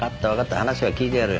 話は聞いてやるよ。